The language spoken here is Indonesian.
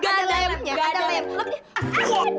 gak ada lem gak ada lem